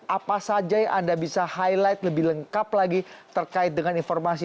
apa saja yang anda bisa highlight lebih lengkap lagi terkait dengan informasi